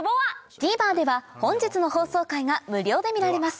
ＴＶｅｒでは本日の放送回が無料で見られます